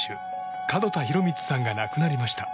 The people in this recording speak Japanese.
門田博光さんが亡くなりました。